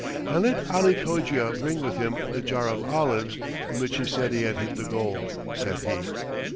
"And let Ali Cogia bring with him the jar of olives in which he said he hid the gold," said he.